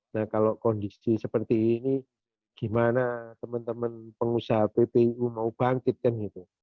nah kalau kondisi seperti ini gimana teman teman pengusaha ppu mau bangkit kan gitu